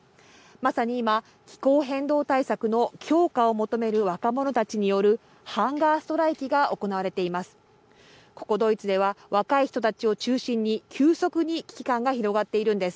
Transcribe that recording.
まさに今気候変動対策の強化を求める若者たちによるハンガーストライキが行われています。